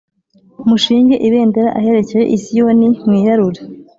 Mushinge ibendera aherekera i Siyoni mwiyarure